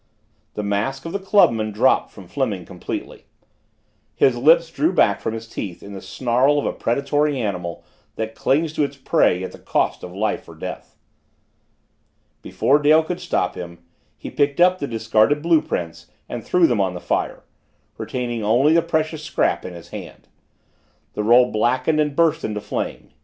The mask of the clubman dropped from Fleming completely. His lips drew back from his teeth in the snarl of a predatory animal that clings to its prey at the cost of life or death. Before Dale could stop him, he picked up the discarded blue prints and threw them on the fire, retaining only the precious scrap in his hand. The roll blackened and burst into flame.